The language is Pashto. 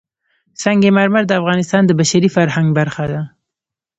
سنگ مرمر د افغانستان د بشري فرهنګ برخه ده.